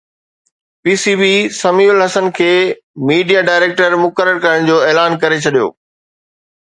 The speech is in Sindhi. P C B Samiul Hasan کي ميڊيا ڊائريڪٽر مقرر ڪرڻ جو اعلان ڪري ڇڏيو